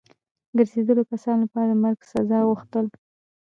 ګرځېدلو کسانو لپاره د مرګ د سزا غوښتل.